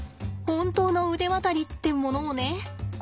本当の腕渡りってものをね。